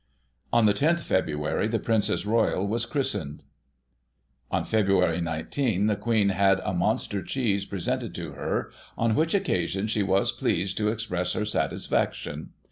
On the loth Feb. the Princess Royal was christened. ' On 19 Feb. the Queen had a monster cheese presented to her, "on which occasion, she was pleased to express her satisfaction."